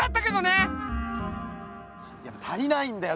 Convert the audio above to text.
やっぱ足りないんだよ